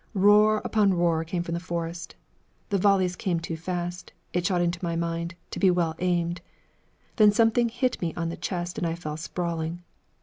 Roar upon roar came from the forest; the volleys came too fast, it shot into my mind, to be well aimed. Then something hit me on the chest and I fell sprawling.